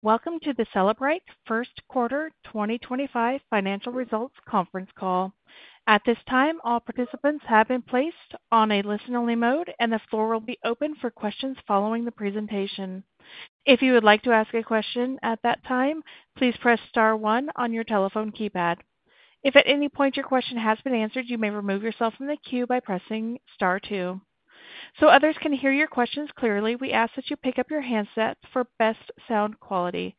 Welcome to the Cellebrite first quarter 2025 financial results conference call. At this time, all participants have been placed on a listen-only mode, and the floor will be open for questions following the presentation. If you would like to ask a question at that time, please press star one on your telephone keypad. If at any point your question has been answered, you may remove yourself from the queue by pressing star two. So others can hear your questions clearly, we ask that you pick up your handsets for best sound quality.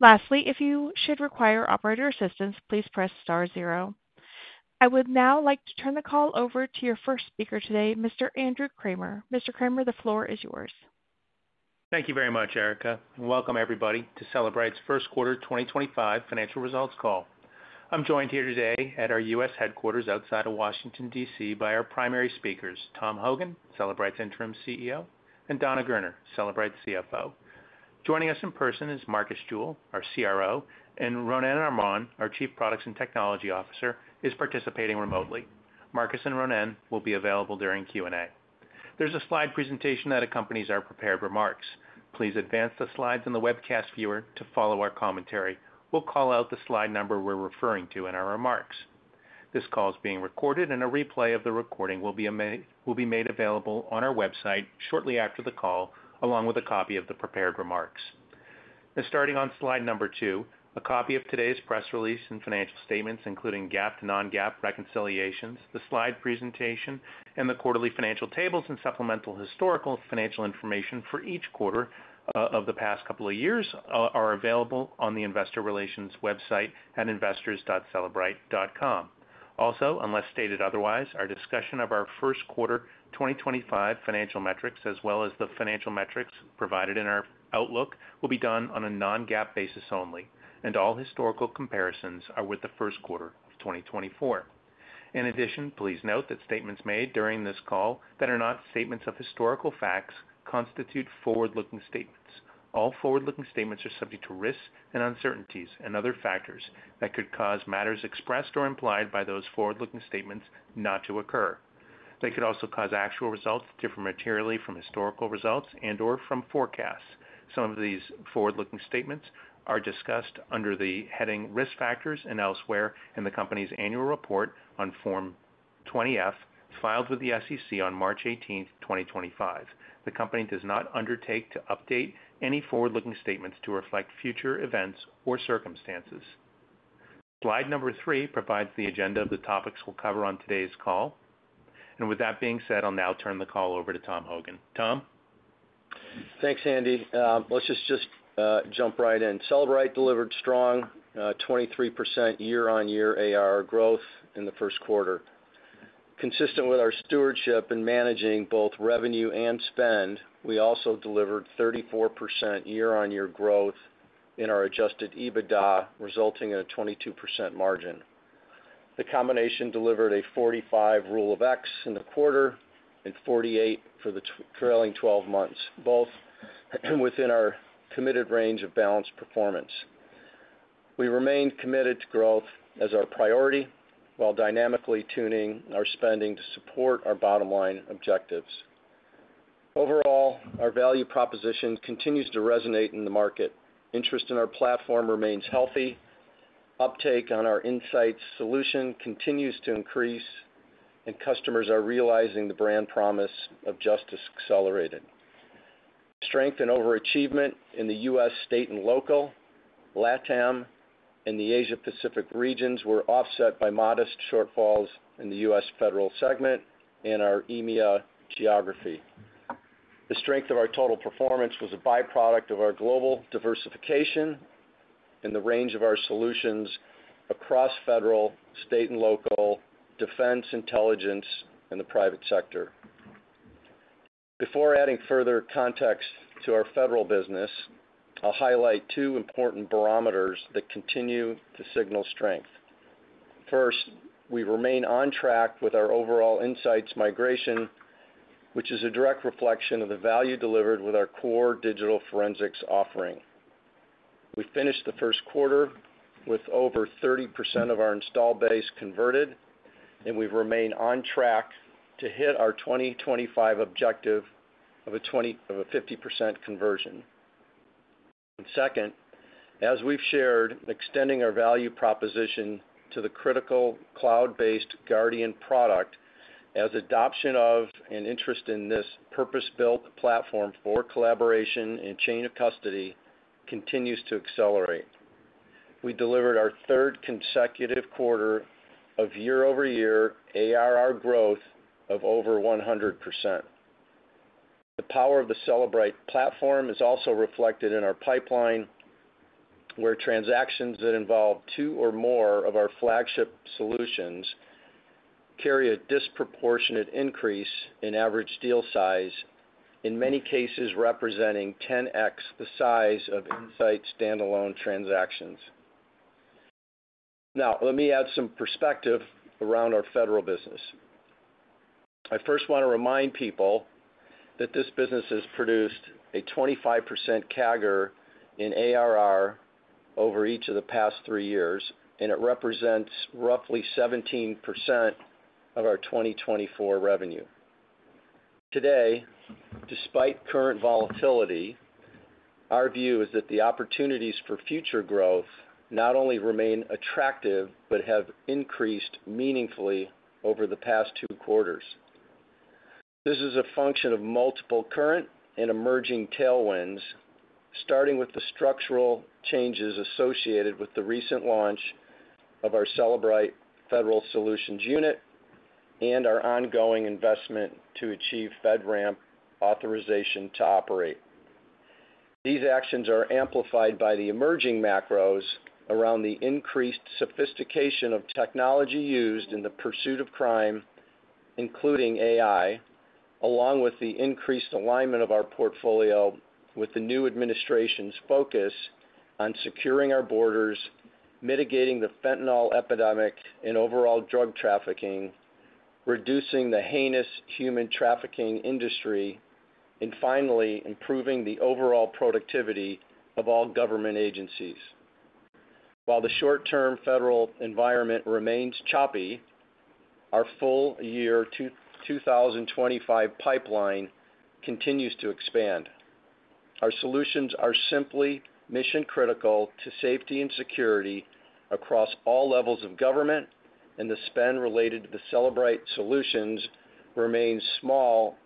Lastly, if you should require operator assistance, please press star zero. I would now like to turn the call over to your first speaker today, Mr. Andrew Kramer. Mr. Kramer, the floor is yours. Thank you very much, Erica. Welcome, everybody, to Cellebrite's first quarter 2025 financial results call. I'm joined here today at our U.S. headquarters outside of Washington, D.C., by our primary speakers, Tom Hogan, Cellebrite's interim CEO, and Dana Gerner, Cellebrite's CFO. Joining us in person is Marcus Jewell, our CRO, and Ronnen Armon, our Chief Products and Technology Officer, is participating remotely. Marcus and Ronnen will be available during Q&A. There's a slide presentation that accompanies our prepared remarks. Please advance the slides in the webcast viewer to follow our commentary. We'll call out the slide number we're referring to in our remarks. This call is being recorded, and a replay of the recording will be made available on our website shortly after the call, along with a copy of the prepared remarks. Starting on slide number two, a copy of today's press release and financial statements, including GAAP to non-GAAP reconciliations, the slide presentation, and the quarterly financial tables and supplemental historical financial information for each quarter of the past couple of years are available on the investor relations website at investors.cellebrite.com. Also, unless stated otherwise, our discussion of our first quarter 2025 financial metrics, as well as the financial metrics provided in our outlook, will be done on a non-GAAP basis only, and all historical comparisons are with the first quarter of 2024. In addition, please note that statements made during this call that are not statements of historical facts constitute forward-looking statements. All forward-looking statements are subject to risks and uncertainties and other factors that could cause matters expressed or implied by those forward-looking statements not to occur. They could also cause actual results to differ materially from historical results and/or from forecasts. Some of these forward-looking statements are discussed under the heading Risk Factors and elsewhere in the company's annual report on Form 20F filed with the SEC on March 18, 2025. The company does not undertake to update any forward-looking statements to reflect future events or circumstances. Slide number three provides the agenda of the topics we'll cover on today's call. With that being said, I'll now turn the call over to Tom Hogan. Tom? Thanks, Andy. Let's just jump right in. Cellebrite delivered strong 23% year-on-year ARR growth in the first quarter. Consistent with our stewardship in managing both revenue and spend, we also delivered 34% year-on-year growth in our adjusted EBITDA, resulting in a 22% margin. The combination delivered a 45 rule of X in the quarter and 48 for the trailing 12 months, both within our committed range of balanced performance. We remained committed to growth as our priority while dynamically tuning our spending to support our bottom-line objectives. Overall, our value proposition continues to resonate in the market. Interest in our platform remains healthy. Uptake on our Insights solution continues to increase, and customers are realizing the brand promise of justice accelerated. Strength and overachievement in the U.S. state and local, LATAM, and the Asia-Pacific regions were offset by modest shortfalls in the U.S. federal segment and our EMEA geography. The strength of our total performance was a byproduct of our global diversification and the range of our solutions across federal, state and local, defense, intelligence, and the private sector. Before adding further context to our federal business, I'll highlight two important barometers that continue to signal strength. First, we remain on track with our overall Insights migration, which is a direct reflection of the value delivered with our core digital forensics offering. We finished the first quarter with over 30% of our install base converted, and we've remained on track to hit our 2025 objective of a 50% conversion. Second, as we've shared, extending our value proposition to the critical cloud-based Guardian product as adoption of and interest in this purpose-built platform for collaboration and chain of custody continues to accelerate. We delivered our third consecutive quarter of year-over-year ARR growth of over 100%. The power of the Cellebrite platform is also reflected in our pipeline, where transactions that involve two or more of our flagship solutions carry a disproportionate increase in average deal size, in many cases representing 10X the size of Insights standalone transactions. Now, let me add some perspective around our federal business. I first want to remind people that this business has produced a 25% CAGR in ARR over each of the past three years, and it represents roughly 17% of our 2024 revenue. Today, despite current volatility, our view is that the opportunities for future growth not only remain attractive but have increased meaningfully over the past two quarters. This is a function of multiple current and emerging tailwinds, starting with the structural changes associated with the recent launch of our Cellebrite Federal Solutions Unit and our ongoing investment to achieve FedRAMP authorization to operate. These actions are amplified by the emerging macros around the increased sophistication of technology used in the pursuit of crime, including AI, along with the increased alignment of our portfolio with the new administration's focus on securing our borders, mitigating the fentanyl epidemic and overall drug trafficking, reducing the heinous human trafficking industry, and finally improving the overall productivity of all government agencies. While the short-term federal environment remains choppy, our full-year 2025 pipeline continues to expand. Our solutions are simply mission-critical to safety and security across all levels of government, and the spend related to the Cellebrite solutions remains small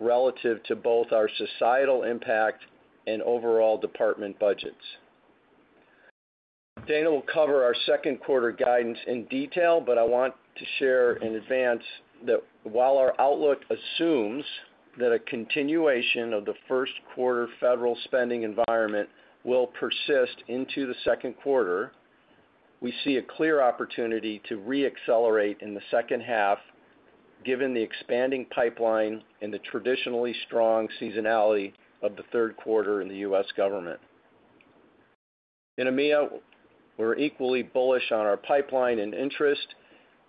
relative to both our societal impact and overall department budgets. Dana will cover our second quarter guidance in detail, but I want to share in advance that while our outlook assumes that a continuation of the first quarter federal spending environment will persist into the second quarter, we see a clear opportunity to re-accelerate in the second half, given the expanding pipeline and the traditionally strong seasonality of the third quarter in the U.S. government. In EMEA, we're equally bullish on our pipeline and interest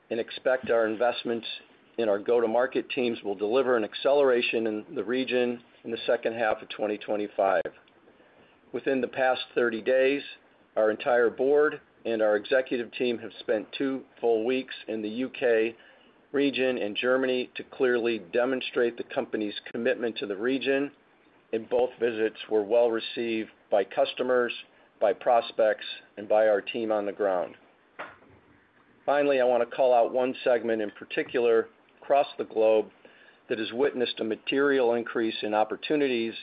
and expect our investments in our go-to-market teams will deliver an acceleration in the region in the second half of 2025. Within the past 30 days, our entire board and our executive team have spent two full weeks in the U.K. region and Germany to clearly demonstrate the company's commitment to the region, and both visits were well received by customers, by prospects, and by our team on the ground. Finally, I want to call out one segment in particular across the globe that has witnessed a material increase in opportunities,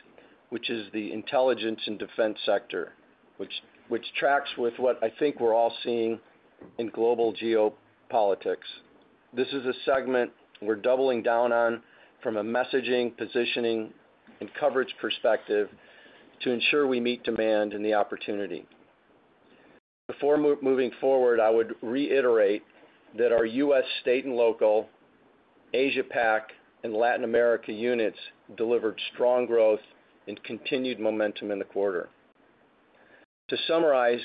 which is the intelligence and defense sector, which tracks with what I think we're all seeing in global geopolitics. This is a segment we're doubling down on from a messaging, positioning, and coverage perspective to ensure we meet demand and the opportunity. Before moving forward, I would reiterate that our U.S. state and local, Asia-Pac, and Latin America units delivered strong growth and continued momentum in the quarter. To summarize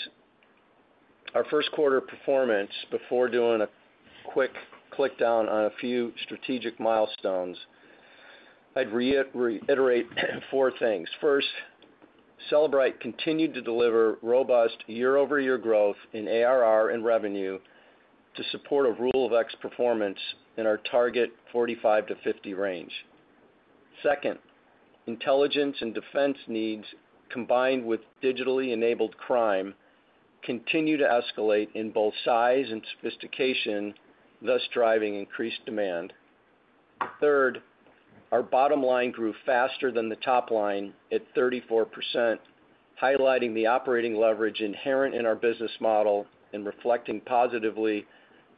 our first quarter performance, before doing a quick click down on a few strategic milestones, I'd reiterate four things. First, Cellebrite continued to deliver robust year-over-year growth in ARR and revenue to support a rule of X performance in our target 45-50 range. Second, intelligence and defense needs combined with digitally enabled crime continue to escalate in both size and sophistication, thus driving increased demand. Third, our bottom line grew faster than the top line at 34%, highlighting the operating leverage inherent in our business model and reflecting positively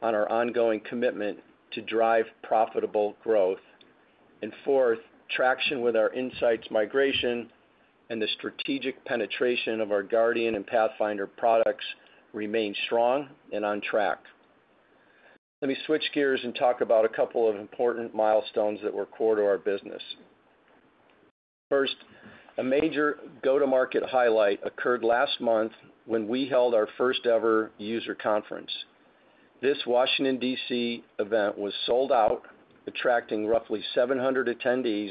on our ongoing commitment to drive profitable growth. Fourth, traction with our insights migration and the strategic penetration of our Guardian and Pathfinder products remains strong and on track. Let me switch gears and talk about a couple of important milestones that were core to our business. First, a major go-to-market highlight occurred last month when we held our first-ever user conference. This Washington, D.C. event was sold out, attracting roughly 700 attendees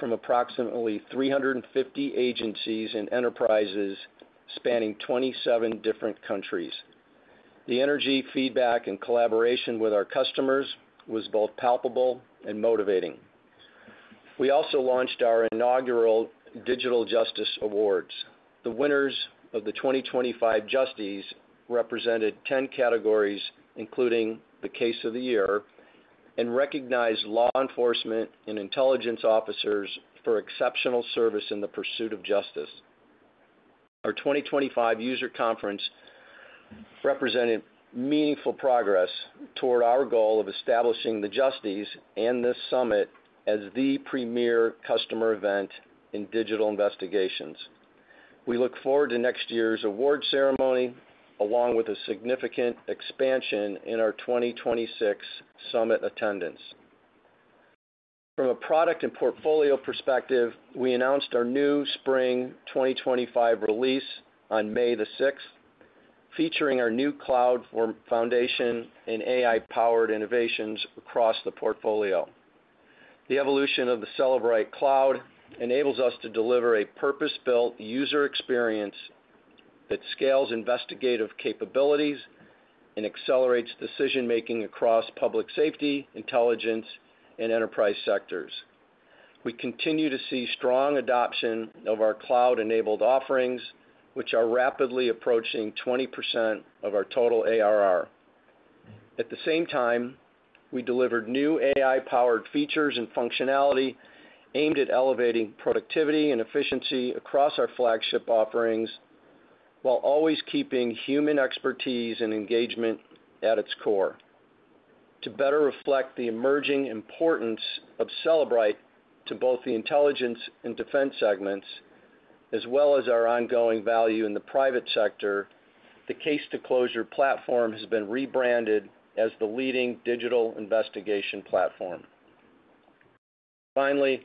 from approximately 350 agencies and enterprises spanning 27 different countries. The energy, feedback, and collaboration with our customers was both palpable and motivating. We also launched our inaugural Digital Justice Awards. The winners of the 2025 Justice represented 10 categories, including the Case of the Year, and recognized law enforcement and intelligence officers for exceptional service in the pursuit of justice. Our 2025 user conference represented meaningful progress toward our goal of establishing the Justice and this summit as the premier customer event in digital investigations. We look forward to next year's award ceremony along with a significant expansion in our 2026 summit attendance. From a product and portfolio perspective, we announced our new spring 2025 release on May the 6th, featuring our new cloud foundation and AI-powered innovations across the portfolio. The evolution of the Cellebrite Cloud enables us to deliver a purpose-built user experience that scales investigative capabilities and accelerates decision-making across public safety, intelligence, and enterprise sectors. We continue to see strong adoption of our cloud-enabled offerings, which are rapidly approaching 20% of our total ARR. At the same time, we delivered new AI-powered features and functionality aimed at elevating productivity and efficiency across our flagship offerings while always keeping human expertise and engagement at its core. To better reflect the emerging importance of Cellebrite to both the intelligence and defense segments, as well as our ongoing value in the private sector, the Case-to-Closure platform has been rebranded as the leading Digital Investigation Platform. Finally,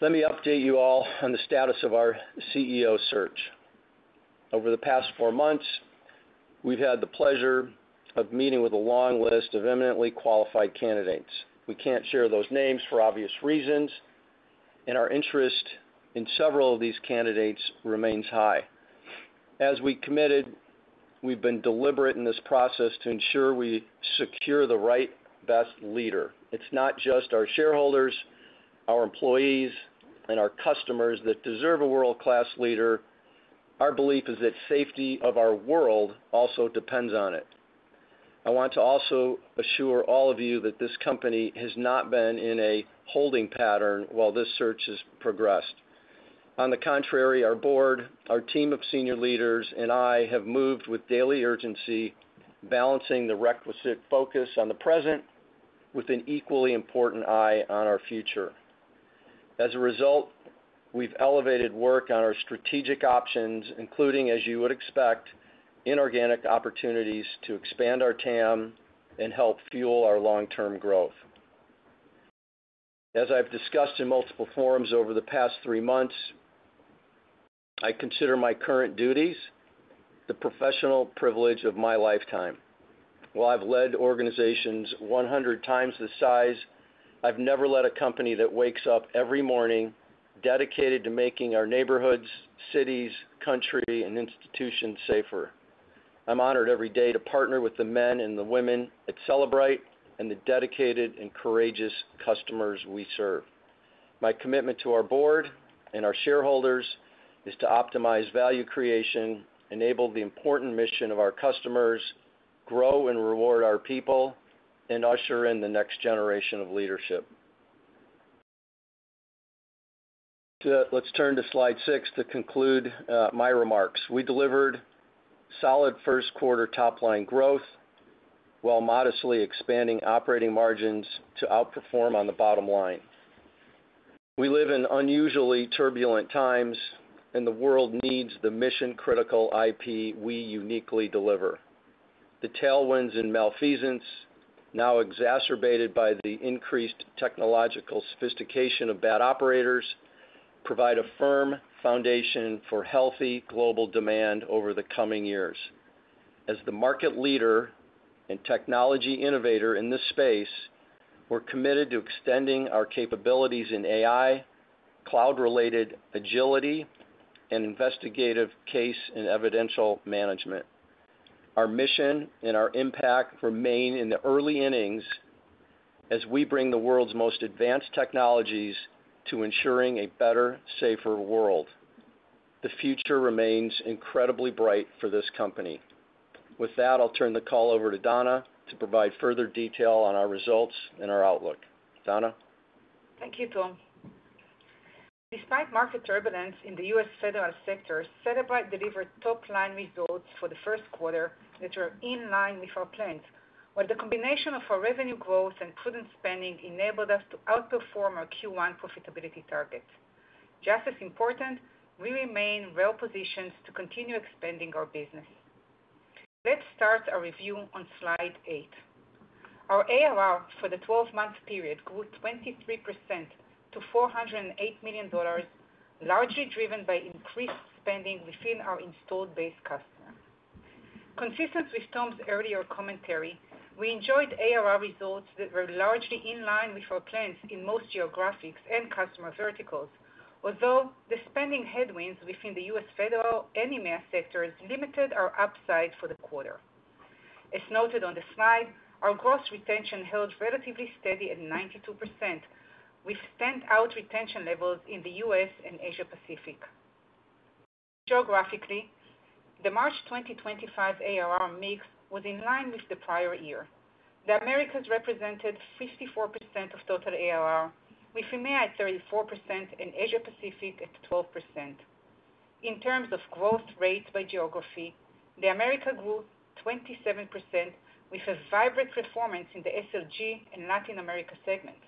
let me update you all on the status of our CEO search. Over the past four months, we've had the pleasure of meeting with a long list of eminently qualified candidates. We can't share those names for obvious reasons, and our interest in several of these candidates remains high. As we committed, we've been deliberate in this process to ensure we secure the right best leader. It's not just our shareholders, our employees, and our customers that deserve a world-class leader. Our belief is that safety of our world also depends on it. I want to also assure all of you that this company has not been in a holding pattern while this search has progressed. On the contrary, our board, our team of senior leaders, and I have moved with daily urgency, balancing the requisite focus on the present with an equally important eye on our future. As a result, we've elevated work on our strategic options, including, as you would expect, inorganic opportunities to expand our TAM and help fuel our long-term growth. As I've discussed in multiple forums over the past three months, I consider my current duties the professional privilege of my lifetime. While I've led organizations 100 times the size, I've never led a company that wakes up every morning dedicated to making our neighborhoods, cities, country, and institutions safer. I'm honored every day to partner with the men and the women at Cellebrite and the dedicated and courageous customers we serve. My commitment to our board and our shareholders is to optimize value creation, enable the important mission of our customers, grow and reward our people, and usher in the next generation of leadership. Let's turn to slide six to conclude my remarks. We delivered solid first-quarter top-line growth while modestly expanding operating margins to outperform on the bottom line. We live in unusually turbulent times, and the world needs the mission-critical IP we uniquely deliver. The tailwinds and malfeasance, now exacerbated by the increased technological sophistication of bad operators, provide a firm foundation for healthy global demand over the coming years. As the market leader and technology innovator in this space, we're committed to extending our capabilities in AI, cloud-related agility, and investigative case and evidential management. Our mission and our impact remain in the early innings as we bring the world's most advanced technologies to ensuring a better, safer world. The future remains incredibly bright for this company. With that, I'll turn the call over to Dana to provide further detail on our results and our outlook. Dana. Thank you, Tom. Despite market turbulence in the U.S. federal sector, Cellebrite delivered top-line results for the first quarter that were in line with our plans, while the combination of our revenue growth and prudent spending enabled us to outperform our Q1 profitability target. Just as important, we remain well-positioned to continue expanding our business. Let's start our review on slide eight. Our ARR for the 12-month period grew 23% to $408 million, largely driven by increased spending within our installed base customer. Consistent with Tom's earlier commentary, we enjoyed ARR results that were largely in line with our plans in most geographics and customer verticals, although the spending headwinds within the U.S. federal and EMEA sectors limited our upside for the quarter. As noted on the slide, our gross retention held relatively steady at 92%, with standout retention levels in the U.S. and Asia-Pacific. Geographically, the March 2025 ARR mix was in line with the prior year. The Americas represented 54% of total ARR, with EMEA at 34% and Asia-Pacific at 12%. In terms of growth rates by geography, the Americas grew 27% with a vibrant performance in the SLG and Latin America segments.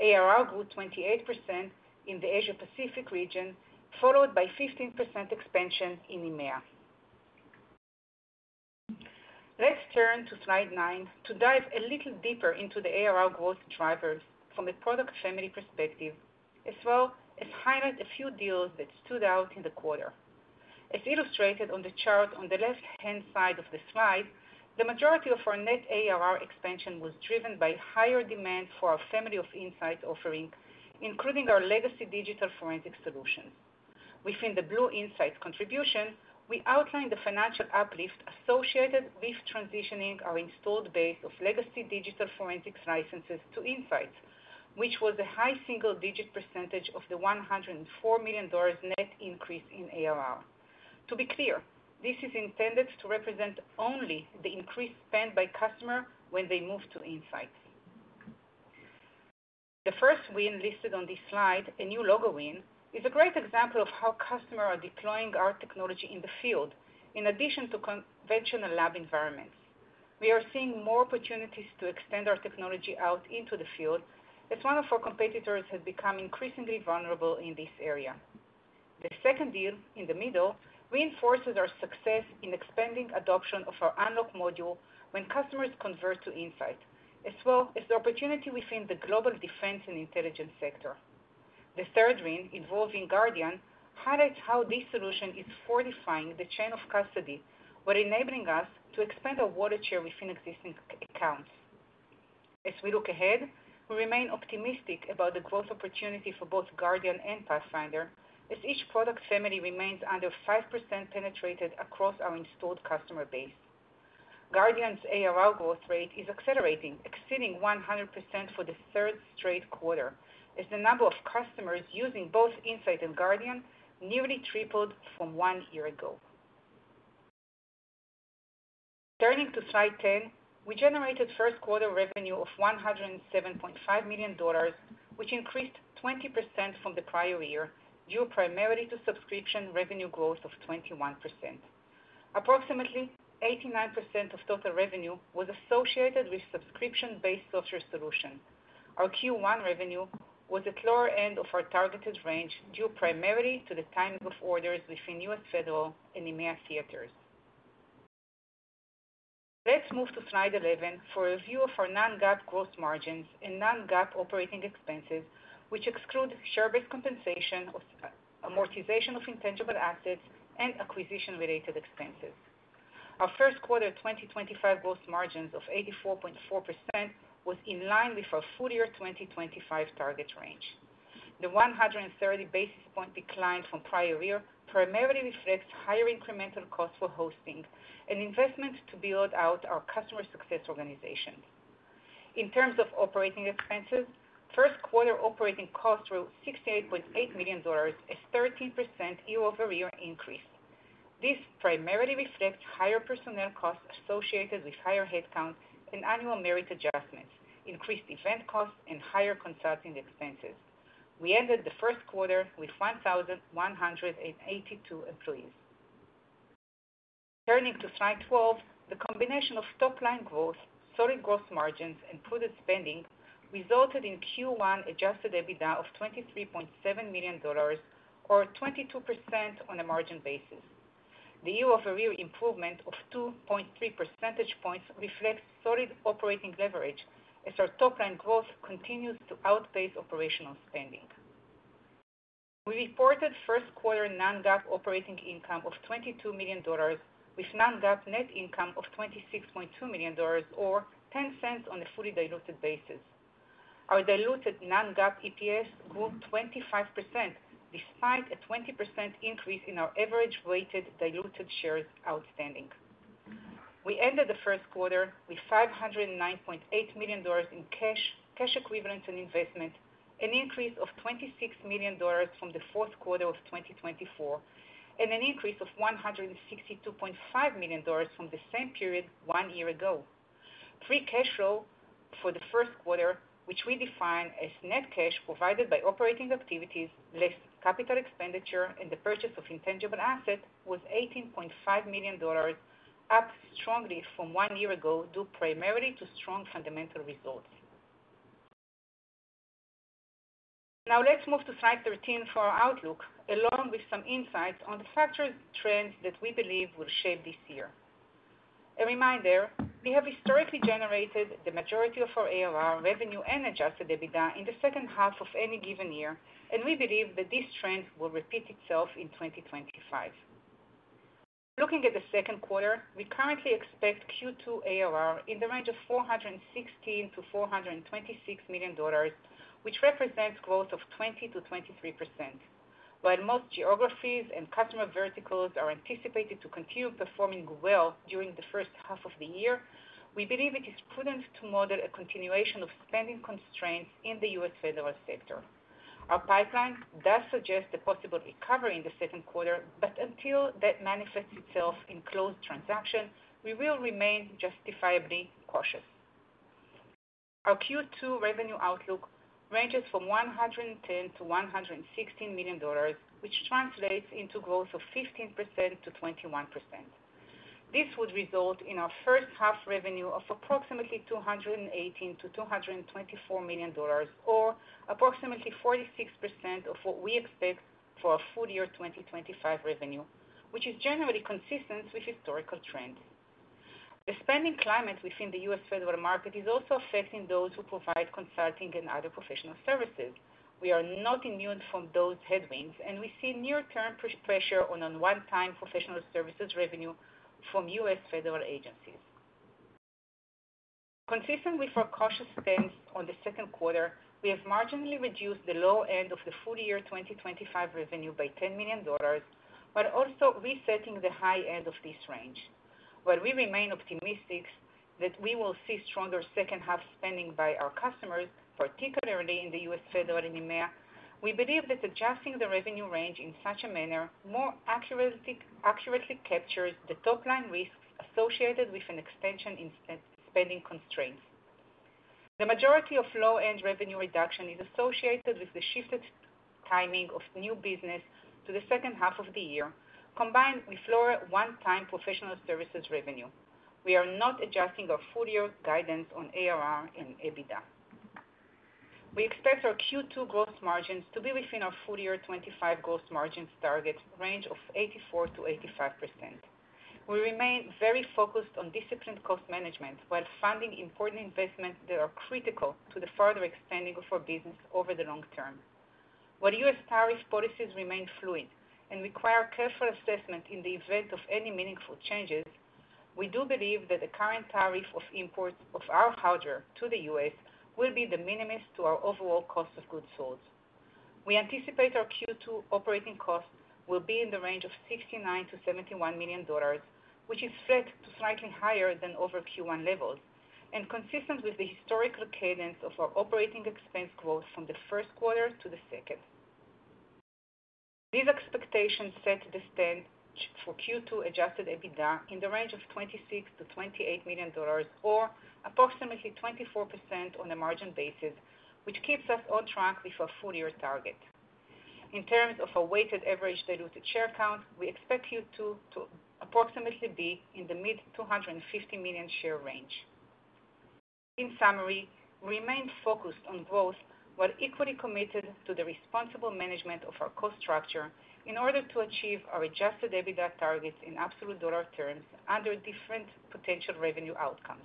ARR grew 28% in the Asia-Pacific region, followed by 15% expansion in EMEA. Let's turn to slide nine to dive a little deeper into the ARR growth drivers from a product family perspective, as well as highlight a few deals that stood out in the quarter. As illustrated on the chart on the left-hand side of the slide, the majority of our net ARR expansion was driven by higher demand for our family of Insights offering, including our legacy digital forensic solutions. Within the blue Insights contribution, we outlined the financial uplift associated with transitioning our installed base of legacy digital forensics licenses to Insights, which was a high single-digit percentage of the $104 million net increase in ARR. To be clear, this is intended to represent only the increased spend by customers when they move to Insights. The first win listed on this slide, a new logo win, is a great example of how customers are deploying our technology in the field in addition to conventional lab environments. We are seeing more opportunities to extend our technology out into the field as one of our competitors has become increasingly vulnerable in this area. The second deal in the middle reinforces our success in expanding adoption of our Unlock Module when customers convert to Insights, as well as the opportunity within the global defense and intelligence sector. The third win, involving Guardian, highlights how this solution is fortifying the chain of custody, while enabling us to expand our watershed within existing accounts. As we look ahead, we remain optimistic about the growth opportunity for both Guardian and Pathfinder, as each product family remains under 5% penetrated across our installed customer base. Guardian's ARR growth rate is accelerating, exceeding 100% for the third straight quarter, as the number of customers using both Insights and Guardian nearly tripled from one year ago. Turning to slide 10, we generated first-quarter revenue of $107.5 million, which increased 20% from the prior year due primarily to subscription revenue growth of 21%. Approximately 89% of total revenue was associated with subscription-based software solutions. Our Q1 revenue was at the lower end of our targeted range due primarily to the timing of orders within U.S. federal and EMEA theaters. Let's move to slide 11 for a view of our non-GAAP gross margins and non-GAAP operating expenses, which exclude share-based compensation, amortization of intangible assets, and acquisition-related expenses. Our first-quarter 2025 gross margins of 84.4% were in line with our full-year 2025 target range. The 130 basis point decline from prior year primarily reflects higher incremental costs for hosting and investment to build out our customer success organization. In terms of operating expenses, first-quarter operating costs were $68.8 million, a 13% year-over-year increase. This primarily reflects higher personnel costs associated with higher headcount and annual merit adjustments, increased event costs, and higher consulting expenses. We ended the first quarter with 1,182 employees. Turning to slide 12, the combination of top-line growth, solid gross margins, and prudent spending resulted in Q1 adjusted EBITDA of $23.7 million, or 22% on a margin basis. The year-over-year improvement of 2.3 percentage points reflects solid operating leverage as our top-line growth continues to outpace operational spending. We reported first-quarter non-GAAP operating income of $22 million, with non-GAAP net income of $26.2 million, or $0.10 on a fully diluted basis. Our diluted non-GAAP EPS grew 25% despite a 20% increase in our average weighted diluted shares outstanding. We ended the first quarter with $509.8 million in cash equivalent and investment, an increase of $26 million from the fourth quarter of 2024, and an increase of $162.5 million from the same period one year ago. Free cash flow for the first quarter, which we define as net cash provided by operating activities less capital expenditure and the purchase of intangible assets, was $18.5 million, up strongly from one year ago due primarily to strong fundamental results. Now, let's move to slide 13 for our outlook, along with some insights on the factors and trends that we believe will shape this year. A reminder, we have historically generated the majority of our ARR revenue and adjusted EBITDA in the second half of any given year, and we believe that this trend will repeat itself in 2025. Looking at the second quarter, we currently expect Q2 ARR in the range of $416-$426 million, which represents growth of 20%-23%. While most geographies and customer verticals are anticipated to continue performing well during the first half of the year, we believe it is prudent to model a continuation of spending constraints in the U.S. federal sector. Our pipeline does suggest a possible recovery in the second quarter, but until that manifests itself in closed transactions, we will remain justifiably cautious. Our Q2 revenue outlook ranges from $110-$116 million, which translates into growth of 15%-21%. This would result in our first-half revenue of approximately $218-$224 million, or approximately 46% of what we expect for our full-year 2025 revenue, which is generally consistent with historical trends. The spending climate within the U.S. federal market is also affecting those who provide consulting and other professional services. We are not immune from those headwinds, and we see near-term pressure on one-time professional services revenue from U.S. federal agencies. Consistent with our cautious stance on the second quarter, we have marginally reduced the low end of the full-year 2025 revenue by $10 million, while also resetting the high end of this range. While we remain optimistic that we will see stronger second-half spending by our customers, particularly in the U.S. federal and EMEA, we believe that adjusting the revenue range in such a manner more accurately captures the top-line risks associated with an expansion in spending constraints. The majority of low-end revenue reduction is associated with the shifted timing of new business to the second half of the year, combined with lower one-time professional services revenue. We are not adjusting our full-year guidance on ARR and EBITDA. We expect our Q2 gross margins to be within our full-year 2025 gross margins target range of 84%-85%. We remain very focused on disciplined cost management while funding important investments that are critical to the further extending of our business over the long term. While U.S. tariff policies remain fluid and require careful assessment in the event of any meaningful changes, we do believe that the current tariff of imports of our hardware to the U.S. will be de minimis to our overall cost of goods sold. We anticipate our Q2 operating costs will be in the range of $69-$71 million, which is trending to slightly higher than over Q1 levels, and consistent with the historical cadence of our operating expense growth from the first quarter to the second. These expectations set the standard for Q2 adjusted EBITDA in the range of $26-$28 million, or approximately 24% on a margin basis, which keeps us on track with our full-year target. In terms of our weighted average diluted share count, we expect Q2 to approximately be in the mid-$250 million share range. In summary, we remain focused on growth while equally committed to the responsible management of our cost structure in order to achieve our adjusted EBITDA targets in absolute dollar terms under different potential revenue outcomes.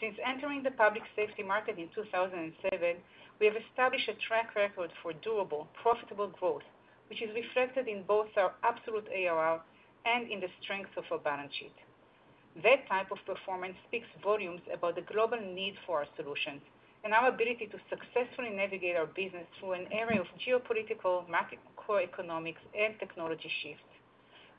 Since entering the public safety market in 2007, we have established a track record for durable, profitable growth, which is reflected in both our absolute ARR and in the strength of our balance sheet. That type of performance speaks volumes about the global need for our solutions and our ability to successfully navigate our business through an area of geopolitical, macroeconomic, and technology shifts.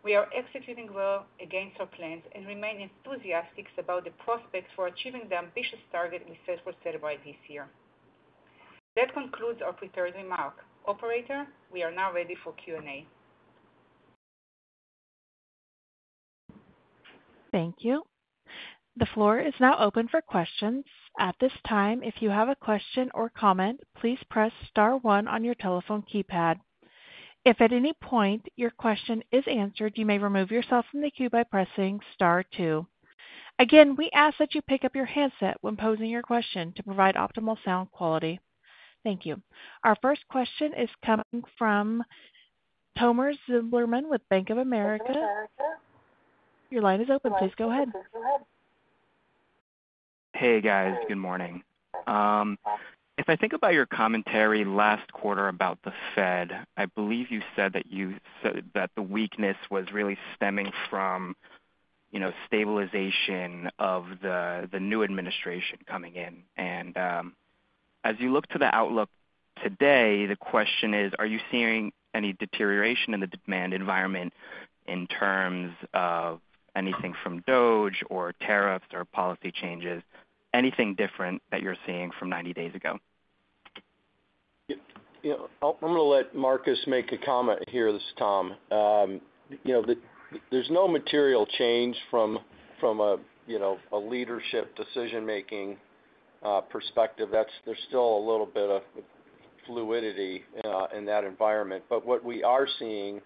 We are executing well against our plans and remain enthusiastic about the prospects for achieving the ambitious target we set for Cellebrite by this year. That concludes our prepared remark. Operator, we are now ready for Q&A. Thank you. The floor is now open for questions. At this time, if you have a question or comment, please press star one on your telephone keypad. If at any point your question is answered, you may remove yourself from the queue by pressing star two. Again, we ask that you pick up your handset when posing your question to provide optimal sound quality. Thank you. Our first question is coming from Tom Zimmermann with Bank of America. Your line is open. Please go ahead. Hey, guys. Good morning. If I think about your commentary last quarter about the Fed, I believe you said that the weakness was really stemming from stabilization of the new administration coming in. As you look to the outlook today, the question is, are you seeing any deterioration in the demand environment in terms of anything from DOJ or tariffs or policy changes, anything different that you're seeing from 90 days ago? I'm going to let Marcus make a comment here. This is Tom. There's no material change from a leadership decision-making perspective. There's still a little bit of fluidity in that environment. What we are seeing,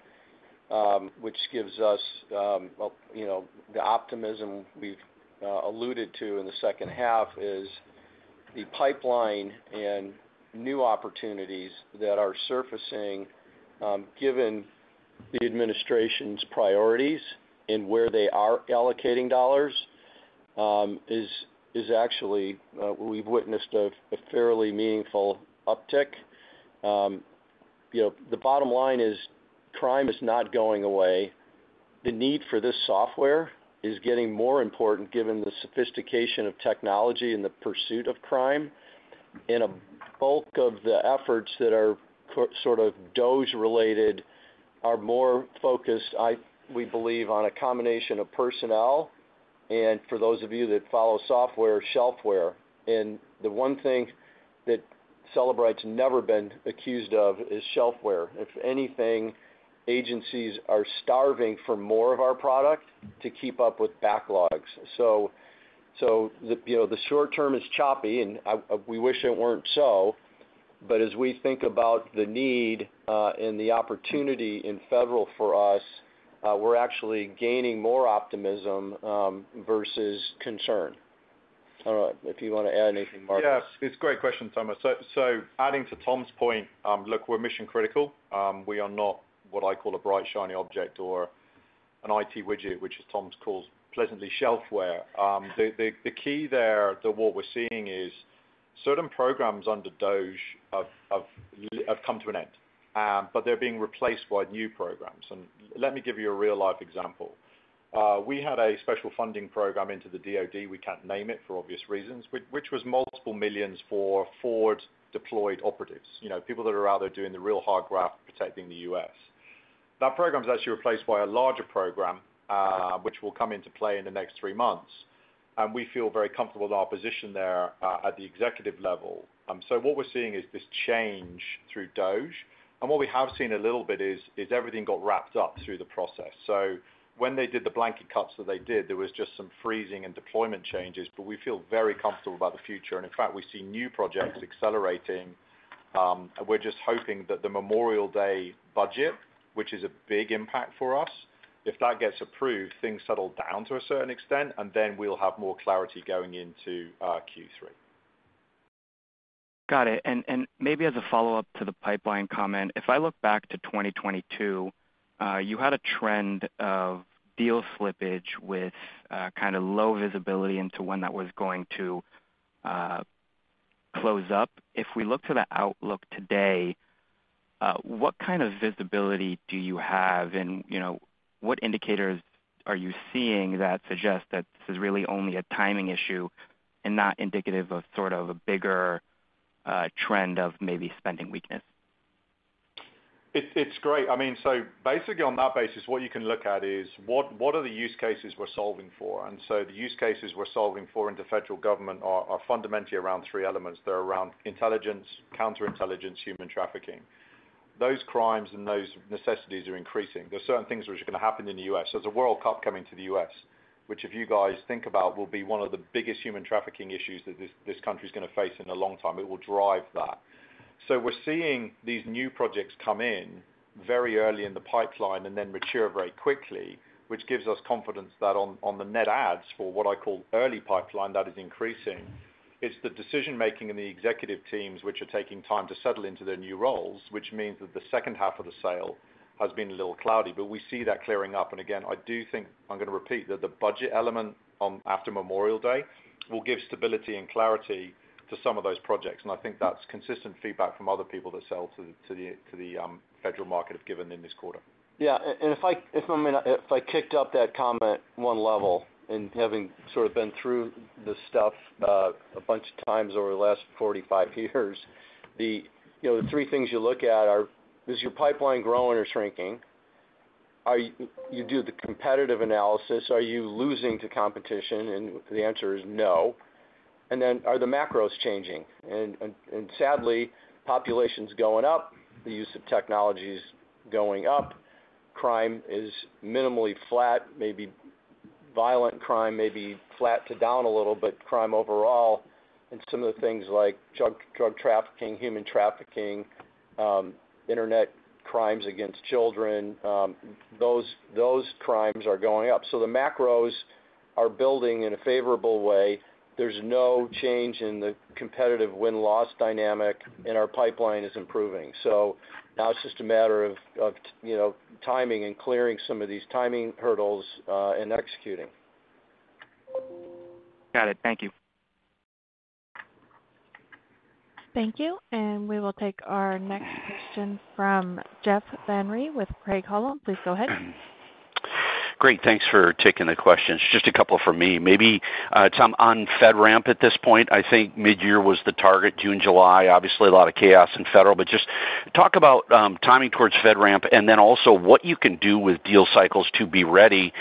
which gives us the optimism we've alluded to in the second half, is the pipeline and new opportunities that are surfacing given the administration's priorities and where they are allocating dollars is actually we've witnessed a fairly meaningful uptick. The bottom line is crime is not going away. The need for this software is getting more important given the sophistication of technology and the pursuit of crime. A bulk of the efforts that are sort of DOJ-related are more focused, we believe, on a combination of personnel. For those of you that follow software, shelfware. The one thing that Cellebrite's never been accused of is shelfware. If anything, agencies are starving for more of our product to keep up with backlogs. The short term is choppy, and we wish it weren't so. As we think about the need and the opportunity in federal for us, we're actually gaining more optimism versus concern. I don't know if you want to add anything, Marcus. Yes. It's a great question, Tom. Adding to Tom's point, look, we're mission-critical. We are not what I call a bright, shiny object or an IT widget, which is Tom's calls pleasantly shelfware. The key there, what we're seeing is certain programs under DOJ have come to an end, but they're being replaced by new programs. Let me give you a real-life example. We had a special funding program into the DOD, we can't name it for obvious reasons, which was multiple millions for forward-deployed operatives, people that are out there doing the real hard graft protecting the U.S. That program's actually replaced by a larger program, which will come into play in the next three months. We feel very comfortable in our position there at the executive level. What we're seeing is this change through DOJ. What we have seen a little bit is everything got wrapped up through the process. When they did the blanket cuts that they did, there was just some freezing and deployment changes, but we feel very comfortable about the future. In fact, we see new projects accelerating. We're just hoping that the Memorial Day budget, which is a big impact for us, if that gets approved, things settle down to a certain extent, and then we'll have more clarity going into Q3. Got it. Maybe as a follow-up to the pipeline comment, if I look back to 2022, you had a trend of deal slippage with kind of low visibility into when that was going to close up. If we look to the outlook today, what kind of visibility do you have? What indicators are you seeing that suggest that this is really only a timing issue and not indicative of sort of a bigger trend of maybe spending weakness? It's great. I mean, so basically on that basis, what you can look at is what are the use cases we're solving for? The use cases we're solving for in the federal government are fundamentally around three elements. They're around intelligence, counterintelligence, human trafficking. Those crimes and those necessities are increasing. There are certain things which are going to happen in the U.S. There's a World Cup coming to the U.S., which if you guys think about, will be one of the biggest human trafficking issues that this country is going to face in a long time. It will drive that. We're seeing these new projects come in very early in the pipeline and then mature very quickly, which gives us confidence that on the net adds for what I call early pipeline, that is increasing. It's the decision-making in the executive teams which are taking time to settle into their new roles, which means that the second half of the sale has been a little cloudy. We see that clearing up. I do think I'm going to repeat that the budget element after Memorial Day will give stability and clarity to some of those projects. I think that's consistent feedback from other people that sell to the federal market have given in this quarter. Yeah. If I kicked up that comment one level and having sort of been through this stuff a bunch of times over the last 45 years, the three things you look at are: is your pipeline growing or shrinking? You do the competitive analysis. Are you losing to competition? The answer is no. Are the macros changing? Sadly, population's going up, the use of technology's going up, crime is minimally flat, maybe violent crime may be flat to down a little, but crime overall, and some of the things like drug trafficking, human trafficking, internet crimes against children, those crimes are going up. The macros are building in a favorable way. There is no change in the competitive win-loss dynamic, and our pipeline is improving. Now it is just a matter of timing and clearing some of these timing hurdles and executing. Got it. Thank you. Thank you. We will take our next question from Jeff Van Rhee with Craig-Hallum. Please go ahead. Great. Thanks for taking the questions. Just a couple for me. Maybe some on FedRAMP at this point. I think midyear was the target, June, July. Obviously, a lot of chaos in federal. Just talk about timing towards FedRAMP and then also what you can do with deal cycles to be ready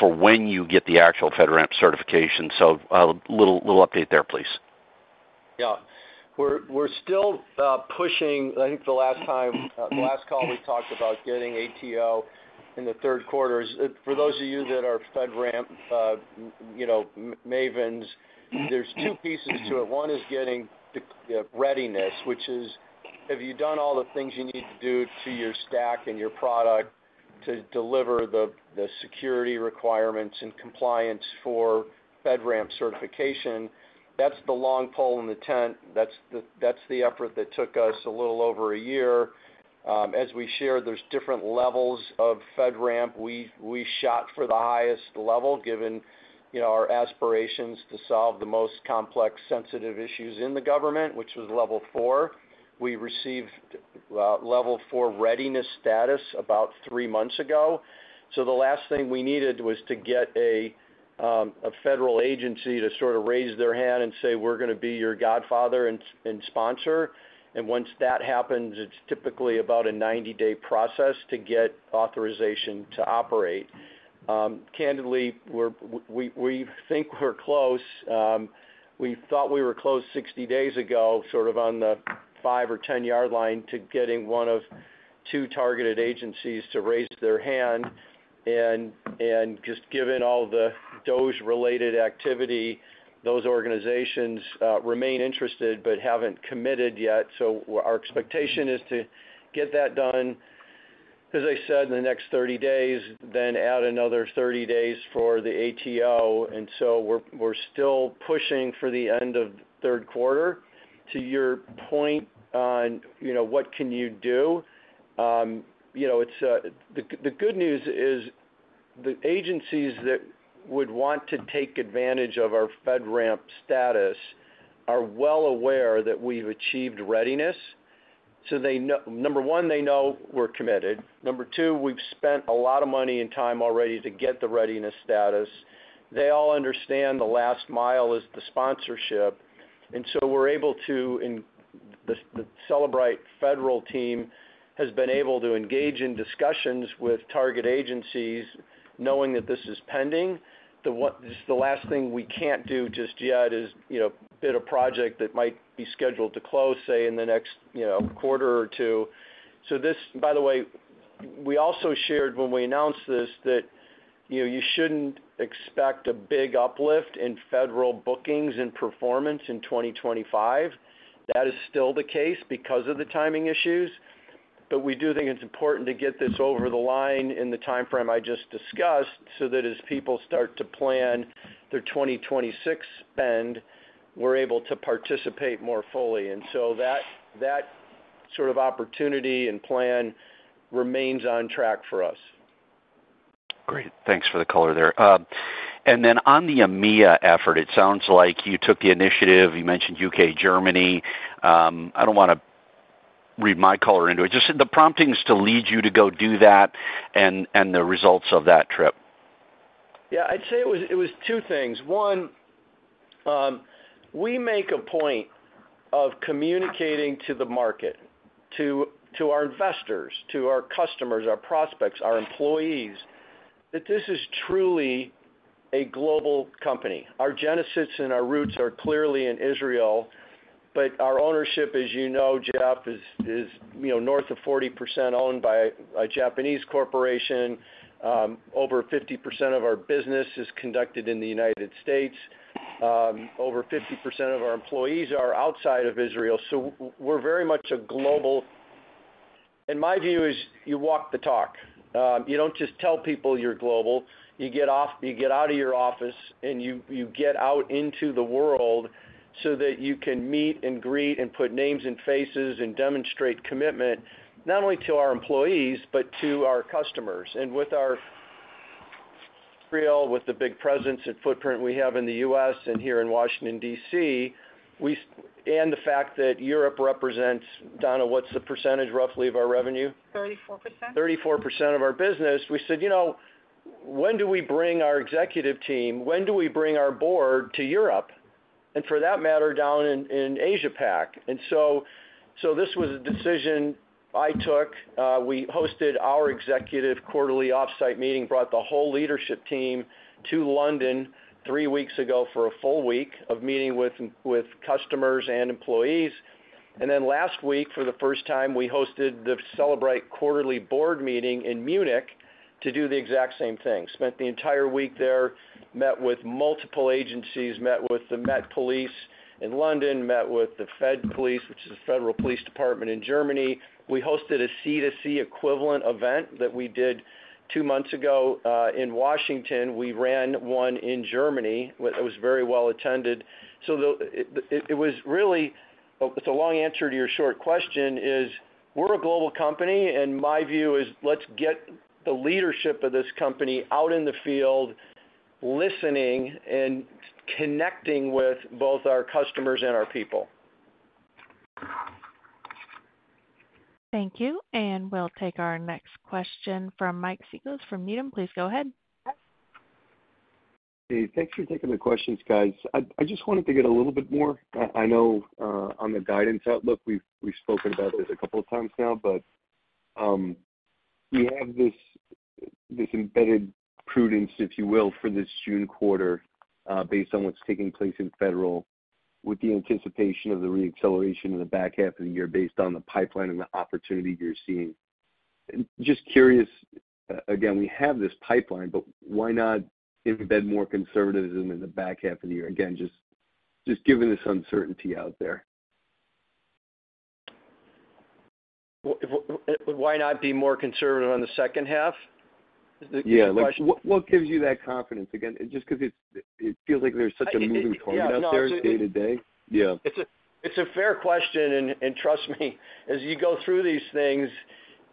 for when you get the actual FedRAMP certification. A little update there, please. Yeah. We're still pushing. I think the last call we talked about getting ATO in the third quarter. For those of you that are FedRAMP mavens, there's two pieces to it. One is getting readiness, which is have you done all the things you need to do to your stack and your product to deliver the security requirements and compliance for FedRAMP certification? That's the long pole in the tent. That's the effort that took us a little over a year. As we shared, there's different levels of FedRAMP. We shot for the highest level given our aspirations to solve the most complex sensitive issues in the government, which was level four. We received level four readiness status about three months ago. The last thing we needed was to get a federal agency to sort of raise their hand and say, "We're going to be your godfather and sponsor." Once that happens, it's typically about a 90-day process to get authorization to operate. Candidly, we think we're close. We thought we were close 60 days ago, sort of on the 5 or 10-yard line to getting one of two targeted agencies to raise their hand. Just given all the DOJ-related activity, those organizations remain interested but haven't committed yet. Our expectation is to get that done, as I said, in the next 30 days, then add another 30 days for the ATO. We are still pushing for the end of third quarter. To your point on what can you do, the good news is the agencies that would want to take advantage of our FedRAMP status are well aware that we have achieved readiness. Number one, they know we are committed. Number two, we have spent a lot of money and time already to get the readiness status. They all understand the last mile is the sponsorship. We are able to, and the Cellebrite federal team has been able to, engage in discussions with target agencies knowing that this is pending. The last thing we cannot do just yet is bid a project that might be scheduled to close, say, in the next quarter or two. This, by the way, we also shared when we announced this that you shouldn't expect a big uplift in federal bookings and performance in 2025. That is still the case because of the timing issues. We do think it's important to get this over the line in the timeframe I just discussed so that as people start to plan their 2026 spend, we're able to participate more fully. That sort of opportunity and plan remains on track for us. Great. Thanks for the color there. On the EMEA effort, it sounds like you took the initiative. You mentioned U.K., Germany. I don't want to read my color into it. Just the promptings to lead you to go do that and the results of that trip. Yeah. I'd say it was two things. One, we make a point of communicating to the market, to our investors, to our customers, our prospects, our employees, that this is truly a global company. Our genesis and our roots are clearly in Israel. But our ownership, as you know, Jeff, is north of 40% owned by a Japanese corporation. Over 50% of our business is conducted in the U.S. Over 50% of our employees are outside of Israel. So we're very much a global. My view is you walk the talk. You do not just tell people you are global. You get out of your office, and you get out into the world so that you can meet and greet and put names and faces and demonstrate commitment not only to our employees, but to our customers. With our real, with the big presence and footprint we have in the U.S. Here in Washington, D.C., and the fact that Europe represents, Dana, what's the percentage roughly of our revenue? 34%. 34% of our business. We said, "When do we bring our executive team? When do we bring our board to Europe?" For that matter, down in Asia-Pac. This was a decision I took. We hosted our executive quarterly offsite meeting, brought the whole leadership team to London three weeks ago for a full week of meeting with customers and employees. Last week, for the first time, we hosted the Cellebrite quarterly board meeting in Munich to do the exact same thing. Spent the entire week there, met with multiple agencies, met with the Met Police in London, met with the Fed Police, which is the Federal Police Department in Germany. We hosted a C2C equivalent event that we did two months ago in Washington. We ran one in Germany that was very well attended. It was really the long answer to your short question is we're a global company. My view is let's get the leadership of this company out in the field, listening and connecting with both our customers and our people. Thank you. We'll take our next question from Mike Cikos from Needham. Please go ahead. Hey, thanks for taking the questions, guys. I just wanted to get a little bit more. I know on the guidance outlook, we've spoken about this a couple of times now, but we have this embedded prudence, if you will, for this June quarter based on what's taking place in federal with the anticipation of the reacceleration in the back half of the year based on the pipeline and the opportunity you're seeing. Just curious, again, we have this pipeline, but why not embed more conservatism in the back half of the year? Again, just given this uncertainty out there. Why not be more conservative on the second half? Yeah. What gives you that confidence? Again, just because it feels like there's such a moving point out there day to day. Yeah. It's a fair question. Trust me, as you go through these things,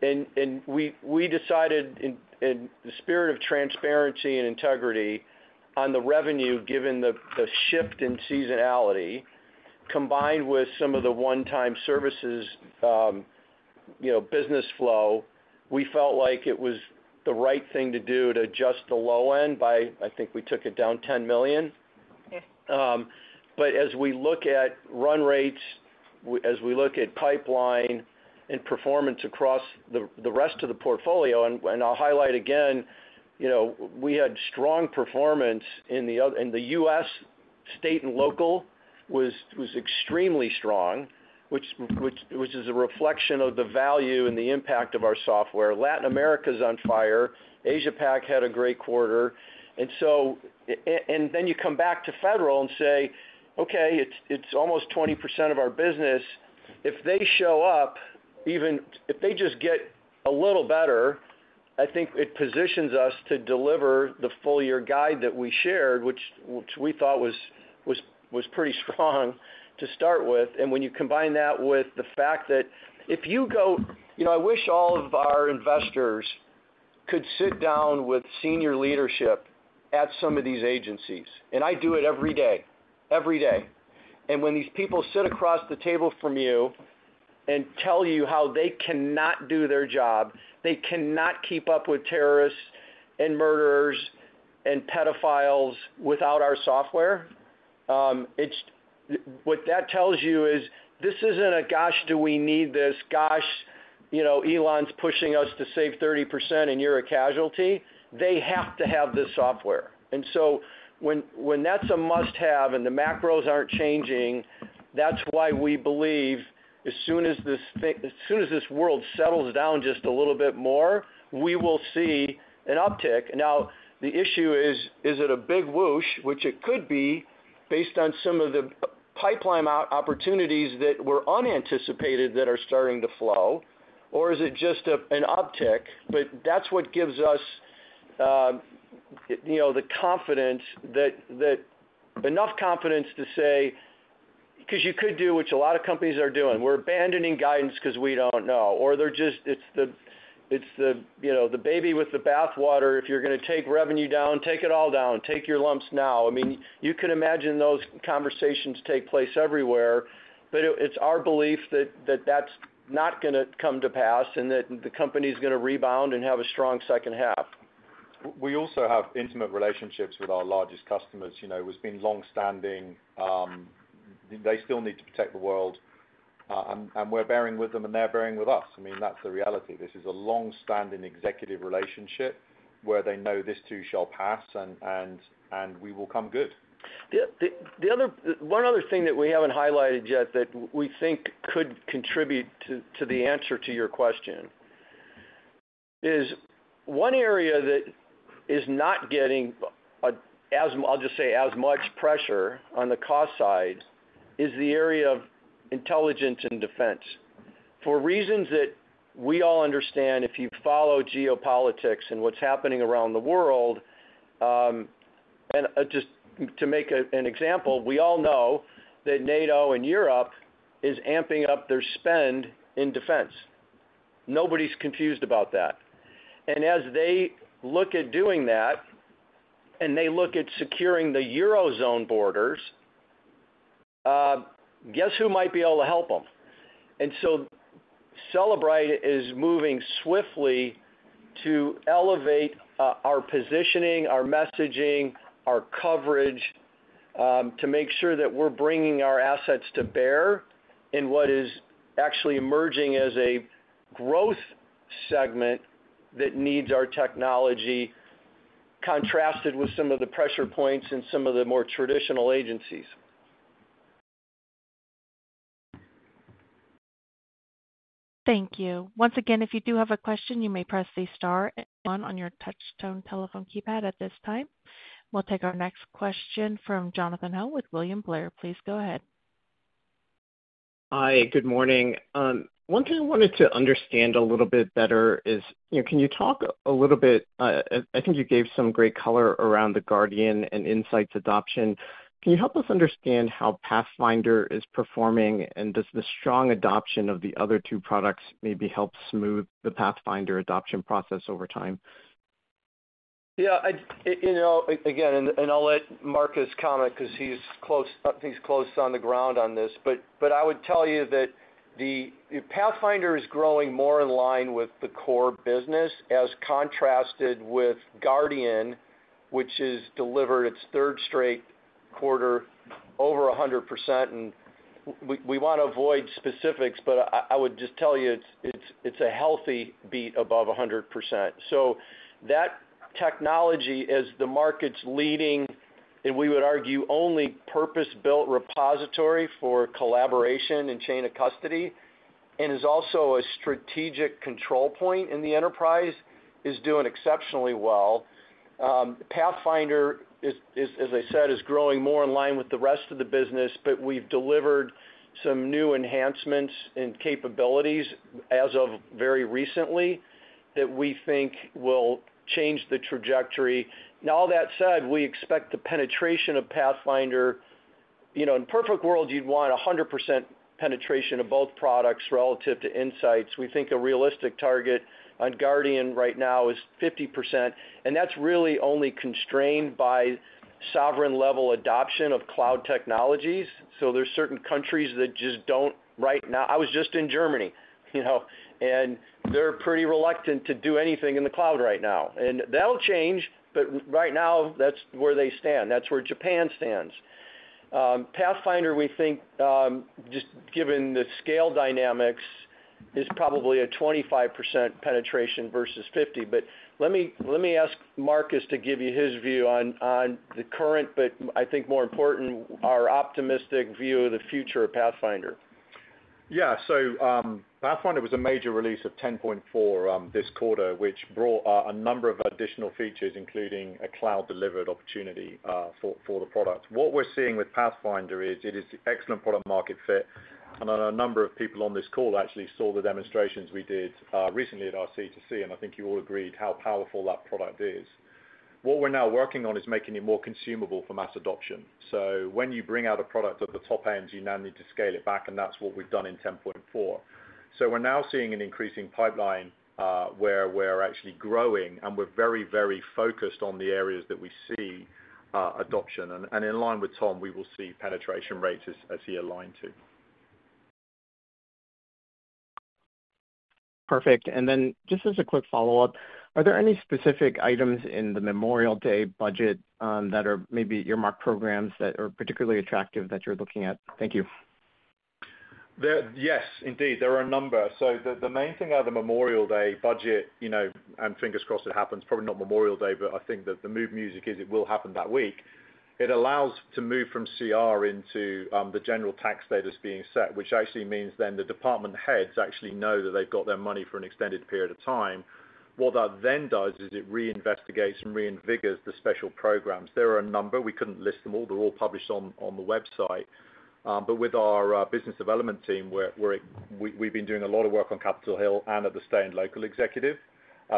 and we decided in the spirit of transparency and integrity on the revenue, given the shift in seasonality combined with some of the one-time services business flow, we felt like it was the right thing to do to adjust the low end by, I think we took it down $10 million. As we look at run rates, as we look at pipeline and performance across the rest of the portfolio, I'll highlight again, we had strong performance in the U.S. state and local was extremely strong, which is a reflection of the value and the impact of our software. Latin America is on fire. Asia-Pac had a great quarter. You come back to federal and say, "Okay, it's almost 20% of our business." If they show up, even if they just get a little better, I think it positions us to deliver the full year guide that we shared, which we thought was pretty strong to start with. When you combine that with the fact that if you go, I wish all of our investors could sit down with senior leadership at some of these agencies. I do it every day, every day. When these people sit across the table from you and tell you how they cannot do their job, they cannot keep up with terrorists and murderers and pedophiles without our software. What that tells you is this is not a, "Gosh, do we need this? Gosh, Elon's pushing us to save 30% and you're a casualty." They have to have this software. When that is a must-have and the macros are not changing, that is why we believe as soon as this world settles down just a little bit more, we will see an uptick. Now, the issue is, is it a big whoosh, which it could be based on some of the pipeline opportunities that were unanticipated that are starting to flow, or is it just an uptick? That is what gives us the confidence, enough confidence to say, because you could do what a lot of companies are doing. We're abandoning guidance because we don't know. Or it's the baby with the bathwater. If you're going to take revenue down, take it all down. Take your lumps now. I mean, you can imagine those conversations take place everywhere. It is our belief that that's not going to come to pass and that the company is going to rebound and have a strong second half. We also have intimate relationships with our largest customers. We've been long-standing. They still need to protect the world. We're bearing with them and they're bearing with us. I mean, that's the reality. This is a long-standing executive relationship where they know this too shall pass and we will come good. The one other thing that we haven't highlighted yet that we think could contribute to the answer to your question is one area that is not getting, I'll just say, as much pressure on the cost side is the area of intelligence and defense. For reasons that we all understand if you follow geopolitics and what's happening around the world. Just to make an example, we all know that NATO and Europe is amping up their spend in defense. Nobody's confused about that. As they look at doing that and they look at securing the Eurozone borders, guess who might be able to help them? Cellebrite is moving swiftly to elevate our positioning, our messaging, our coverage to make sure that we're bringing our assets to bear in what is actually emerging as a growth segment that needs our technology contrasted with some of the pressure points in some of the more traditional agencies. Thank you. Once again, if you do have a question, you may press the star and on your touchstone telephone keypad at this time. We'll take our next question from Jonathan Ho with William Blair. Please go ahead. Hi. Good morning. One thing I wanted to understand a little bit better is, can you talk a little bit? I think you gave some great color around the Guardian and Insights adoption. Can you help us understand how Pathfinder is performing? And does the strong adoption of the other two products maybe help smooth the Pathfinder adoption process over time? Yeah. Again, and I'll let Marcus comment because he's close on the ground on this. I would tell you that Pathfinder is growing more in line with the core business as contrasted with Guardian, which has delivered its third straight quarter over 100%. We want to avoid specifics, but I would just tell you it's a healthy beat above 100%. That technology is the market's leading, and we would argue only purpose-built repository for collaboration and chain of custody, and is also a strategic control point in the enterprise, is doing exceptionally well. Pathfinder, as I said, is growing more in line with the rest of the business, but we've delivered some new enhancements and capabilities as of very recently that we think will change the trajectory. Now, all that said, we expect the penetration of Pathfinder. In a perfect world, you'd want 100% penetration of both products relative to Insights. We think a realistic target on Guardian right now is 50%. That's really only constrained by sovereign-level adoption of cloud technologies. There are certain countries that just don't right now. I was just in Germany, and they're pretty reluctant to do anything in the cloud right now. That'll change, but right now, that's where they stand. That's where Japan stands. Pathfinder, we think, just given the scale dynamics, is probably a 25% penetration versus 50%. Let me ask Marcus to give you his view on the current, but I think more important, our optimistic view of the future of Pathfinder. Yeah. Pathfinder was a major release of 10.4 this quarter, which brought a number of additional features, including a cloud-delivered opportunity for the product. What we're seeing with Pathfinder is it is excellent product-market fit. A number of people on this call actually saw the demonstrations we did recently at our C2C, and I think you all agreed how powerful that product is. What we're now working on is making it more consumable for mass adoption. When you bring out a product at the top end, you now need to scale it back, and that's what we've done in 10.4. We're now seeing an increasing pipeline where we're actually growing, and we're very, very focused on the areas that we see adoption. In line with Tom, we will see penetration rates as he aligned to. Perfect. Just as a quick follow-up, are there any specific items in the Memorial Day budget that are maybe earmarked programs that are particularly attractive that you're looking at? Thank you. Yes, indeed. There are a number. The main thing out of the Memorial Day budget, and fingers crossed it happens, probably not Memorial Day, but I think that the mood music is it will happen that week. It allows to move from CR into the general tax status being set, which actually means then the department heads actually know that they've got their money for an extended period of time. What that then does is it reinvestigates and reinvigors the special programs. There are a number. We could not list them all. They are all published on the website. With our business development team, we have been doing a lot of work on Capitol Hill and at the state and local executive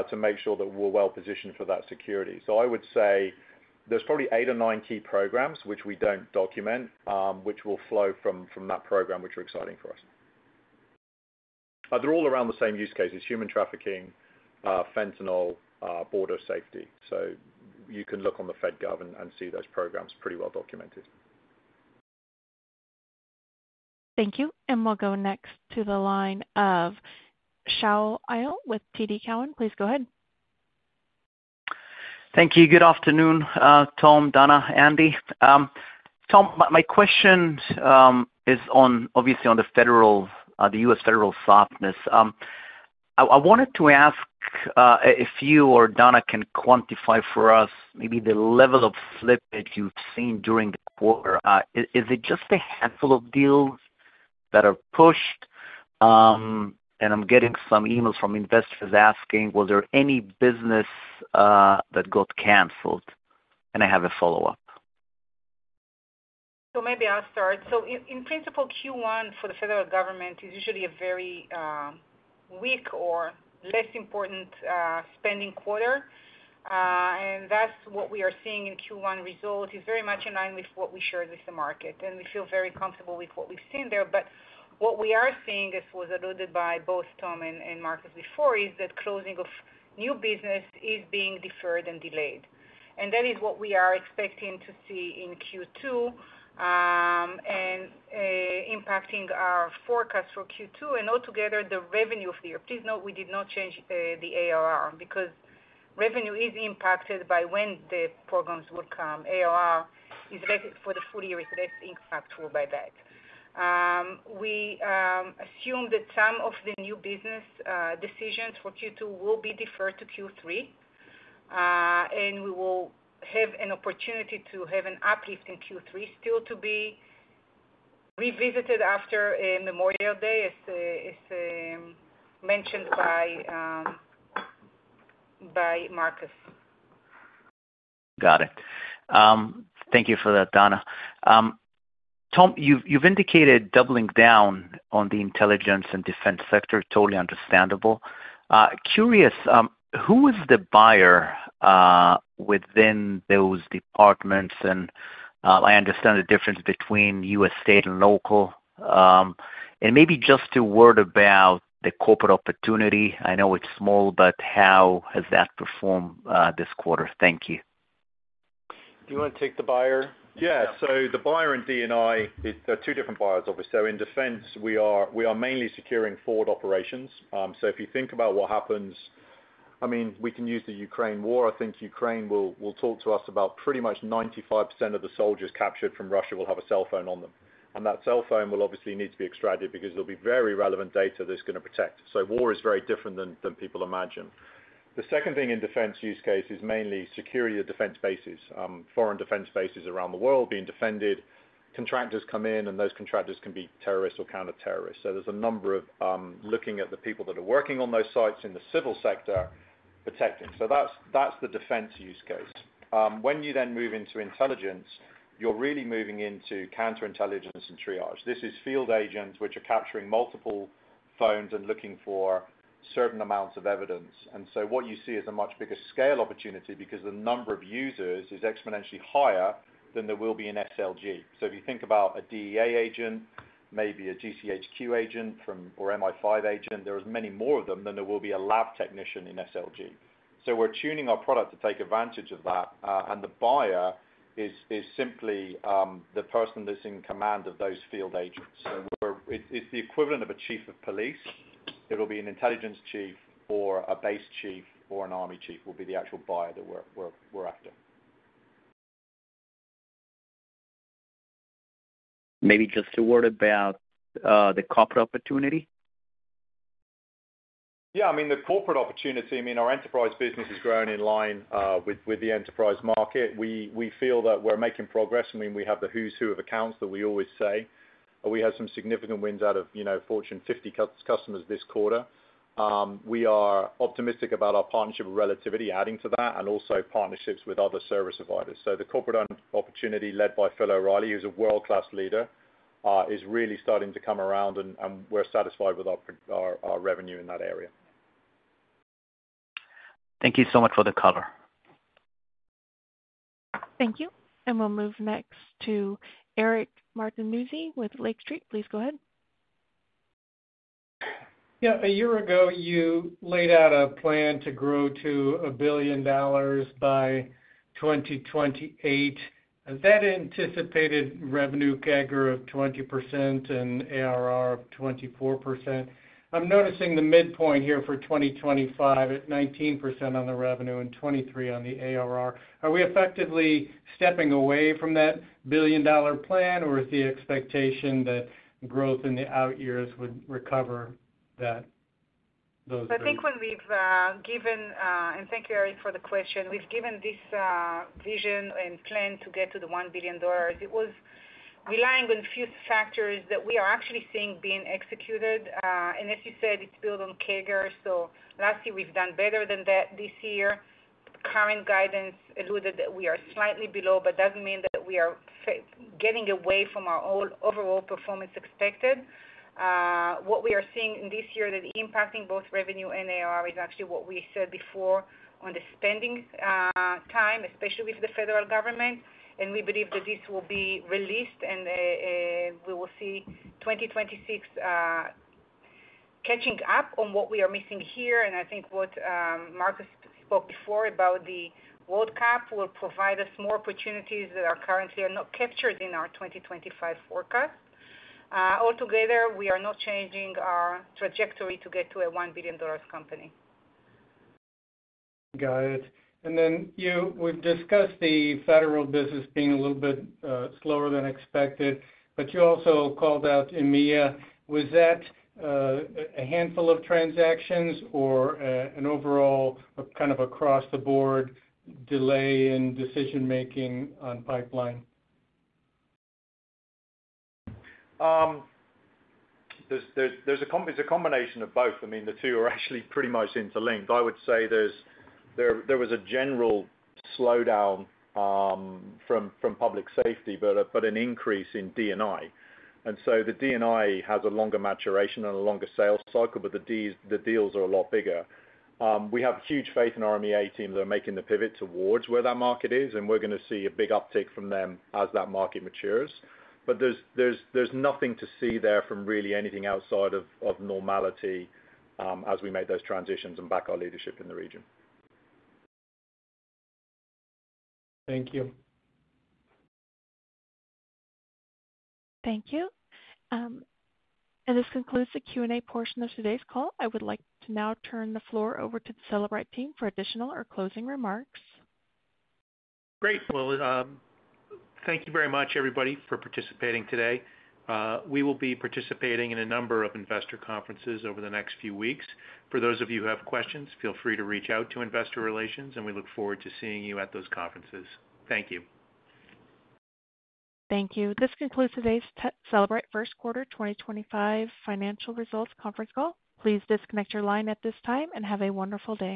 to make sure that we are well positioned for that security. I would say there's probably eight or nine key programs, which we don't document, which will flow from that program, which are exciting for us. They're all around the same use cases: human trafficking, fentanyl, border safety. You can look on the FedGov and see those programs pretty well documented. Thank you. We'll go next to the line of Shaul Eyal with TD Cowen. Please go ahead. Thank you. Good afternoon, Tom, Dana, Andy. Tom, my question is obviously on the U.S. federal softness. I wanted to ask if you or Dana can quantify for us maybe the level of slippage you've seen during the quarter. Is it just a handful of deals that are pushed? I'm getting some emails from investors asking, was there any business that got canceled? I have a follow-up. Maybe I'll start. In principle, Q1 for the federal government is usually a very weak or less important spending quarter. That is what we are seeing in Q1 results, which is very much in line with what we shared with the market. We feel very comfortable with what we've seen there. What we are seeing, as was alluded to by both Tom and Marcus before, is that closing of new business is being deferred and delayed. That is what we are expecting to see in Q2 and impacting our forecast for Q2 and altogether the revenue of the year. Please note, we did not change the ARR because revenue is impacted by when the programs will come. ARR for the full year is less impactful by that. We assume that some of the new business decisions for Q2 will be deferred to Q3. We will have an opportunity to have an uplift in Q3, still to be revisited after Memorial Day, as mentioned by Marcus. Got it. Thank you for that, Dana. Tom, you've indicated doubling down on the intelligence and defense sector. Totally understandable. Curious, who is the buyer within those departments? I understand the difference between U.S. state and local. Maybe just a word about the corporate opportunity. I know it's small, but how has that performed this quarter? Thank you. Do you want to take the buyer? Yeah. The buyer in D&I, there are two different buyers, obviously. In defense, we are mainly securing forward operations. If you think about what happens, I mean, we can use the Ukraine war. I think Ukraine will talk to us about pretty much 95% of the soldiers captured from Russia will have a cell phone on them. That cell phone will obviously need to be extracted because there'll be very relevant data that's going to protect. War is very different than people imagine. The second thing in defense use case is mainly securing the defense bases, foreign defense bases around the world being defended. Contractors come in, and those contractors can be terrorists or counterterrorists. There's a number of looking at the people that are working on those sites in the civil sector protecting. That's the defense use case. When you then move into intelligence, you're really moving into counterintelligence and triage. This is field agents which are capturing multiple phones and looking for certain amounts of evidence. What you see is a much bigger scale opportunity because the number of users is exponentially higher than there will be in SLG. If you think about a DEA agent, maybe a GCHQ agent, or MI5 agent, there are many more of them than there will be a lab technician in SLG. We are tuning our product to take advantage of that. The buyer is simply the person that is in command of those field agents. It is the equivalent of a chief of police. It will be an intelligence chief or a base chief or an army chief who will be the actual buyer that we are after. Maybe just a word about the corporate opportunity? Yeah. I mean, the corporate opportunity, I mean, our enterprise business is growing in line with the enterprise market. We feel that we are making progress. I mean, we have the who's who of accounts that we always say. We had some significant wins out of Fortune 50 customers this quarter. We are optimistic about our partnership with Relativity adding to that and also partnerships with other service providers. The corporate opportunity led by Fidel Riley, who's a world-class leader, is really starting to come around, and we're satisfied with our revenue in that area. Thank you so much for the cover. Thank you. We'll move next to Eric Martinuzzi with Lake Street. Please go ahead. Yeah. A year ago, you laid out a plan to grow to a billion dollars by 2028. That anticipated revenue CAGR of 20% and ARR of 24%. I'm noticing the midpoint here for 2025 at 19% on the revenue and 23% on the ARR. Are we effectively stepping away from that billion-dollar plan, or is the expectation that growth in the out years would recover that? I think when we've given—and thank you, Eric, for the question—we've given this vision and plan to get to the $1 billion. It was relying on a few factors that we are actually seeing being executed. As you said, it's built on CAGR. Last year, we've done better than that. This year, current guidance alluded that we are slightly below, but it doesn't mean that we are getting away from our overall performance expected. What we are seeing this year that is impacting both revenue and ARR is actually what we said before on the spending time, especially with the federal government. We believe that this will be released, and we will see 2026 catching up on what we are missing here. I think what Marcus spoke before about the World Cup will provide us more opportunities that are currently not captured in our 2025 forecast. Altogether, we are not changing our trajectory to get to a $1 billion company. Got it. Then we've discussed the federal business being a little bit slower than expected, but you also called out EMEA. Was that a handful of transactions or an overall kind of across-the-board delay in decision-making on pipeline? There's a combination of both. I mean, the two are actually pretty much interlinked. I would say there was a general slowdown from public safety, but an increase in D&I. The D&I has a longer maturation and a longer sales cycle, but the deals are a lot bigger. We have huge faith in our EMEA team that are making the pivot towards where that market is, and we're going to see a big uptick from them as that market matures. There is nothing to see there from really anything outside of normality as we make those transitions and back our leadership in the region. Thank you. Thank you. This concludes the Q&A portion of today's call. I would like to now turn the floor over to the Cellebrite team for additional or closing remarks. Great. Thank you very much, everybody, for participating today. We will be participating in a number of investor conferences over the next few weeks. For those of you who have questions, feel free to reach out to investor relations, and we look forward to seeing you at those conferences. Thank you. Thank you. This concludes today's Cellebrite first quarter 2025 financial results conference call. Please disconnect your line at this time and have a wonderful day.